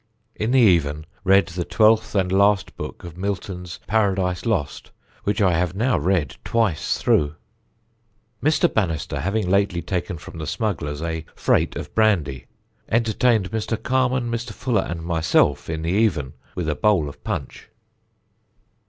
"In the even, read the twelfth and last book of Milton's Paradise Lost, which I have now read twice through. "Mr. Banister having lately taken from the smugglers a freight of brandy, entertained Mr. Carman, Mr. Fuller, and myself, in the even, with a bowl of punch."